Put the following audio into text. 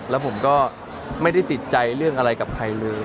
แล้วผมก็ไม่ได้ติดใจเรื่องอะไรกับใครเลย